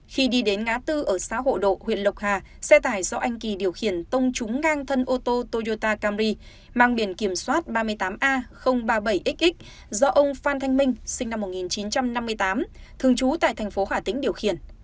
khi đi đến ngã tư ở xã hộ độ huyện lộc hà xe tải do anh kỳ điều khiển tông trúng ngang thân ô tô toyota camry mang biển kiểm soát ba mươi tám a ba mươi bảy xx do ông phan thanh minh sinh năm một nghìn chín trăm năm mươi tám thường trú tại thành phố hà tĩnh điều khiển